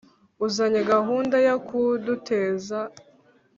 uzanye gahunda yo kuduteza